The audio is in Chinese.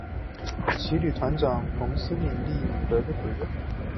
骑三旅旅长彭毓斌命令骑三团悉数增援红格尔图。